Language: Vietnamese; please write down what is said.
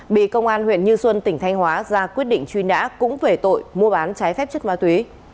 bị công an huyện như xuân tỉnh thanh hóa ra quyết định truy nã cũng về tội mua bán trái phép chất ma túy